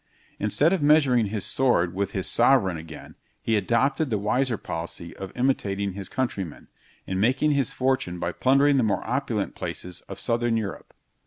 Instead of measuring his sword with his sovereign again, he adopted the wiser policy of imitating his countrymen, in making his fortune by plundering the more opulent places of southern Europe.